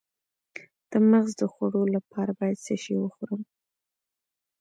د مغز د خوړو لپاره باید څه شی وخورم؟